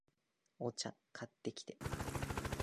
お茶、買ってきて